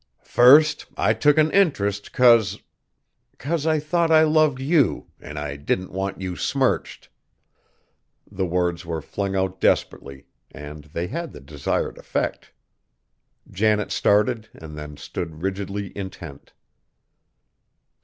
"First I took an interest 'cause 'cause I thought I loved you, an' I didn't want you smirched!" The words were flung out desperately, and they had the desired effect. Janet started and then stood rigidly intent.